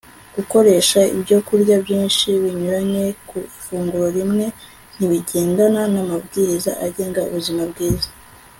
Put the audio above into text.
gukoresha ibyokurya byinshi binyuranye ku ifunguro rimwe ntibigendana n'amabwiriza agenga ubuzima bwiza